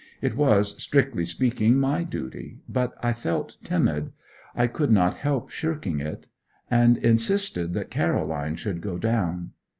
It was, strictly speaking, my duty; but I felt timid; I could not help shirking it, and insisted that Caroline should go down.